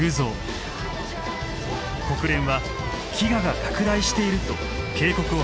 国連は飢餓が拡大していると警告を発しています。